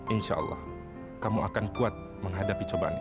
insya allah kamu akan kuat menghadapi cobaan ini